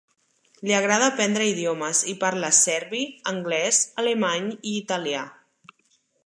Li agrada aprendre idiomes i parla serbi, anglès, alemany i italià.